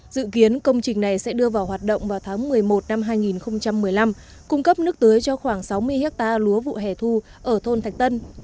dự kiến công trình này sẽ đưa vào hoạt động vào tháng một mươi một năm hai nghìn một mươi năm cung cấp nước tưới cho khoảng sáu mươi hectare lúa vụ hẻ thu ở thôn thạch tân